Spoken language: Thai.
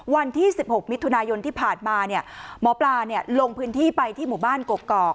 วันที่๑๖มิถุนายนที่ผ่านมาหมอปลาลงพื้นที่ไปที่หมู่บ้านกกอก